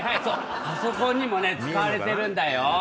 パソコンにもね使われてるんだよ。